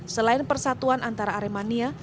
selain persatuan antara aremania